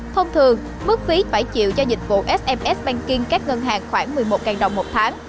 thông thường mức phí bảy triệu cho dịch vụ sms banking các ngân hàng khoảng một mươi một đồng một tháng